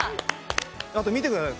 あと見てください